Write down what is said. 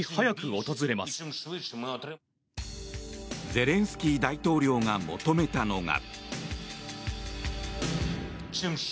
ゼレンスキー大統領が求めたのが。